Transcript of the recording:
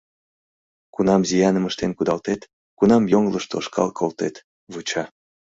Кунам зияным ыштен кудалтет, кунам йоҥылыш тошкал колтет — вуча.